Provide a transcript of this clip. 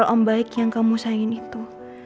om baik yang kamu sayangin itu